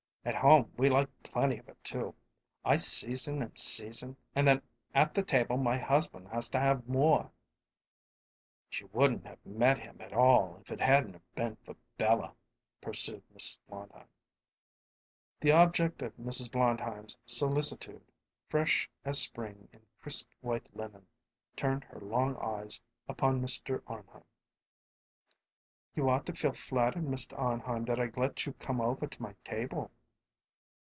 At home we like plenty of it, too. I season and season, and then at the table my husband has to have more." "She wouldn't have met him at all if it hadn't been for Bella," pursued Mrs. Blondheim. The object of Mrs. Blondheim's solicitude, fresh as spring in crisp white linen, turned her long eyes upon Mr. Arnheim. "You ought to feel flattered, Mr. Arnheim, that I let you come over to my table."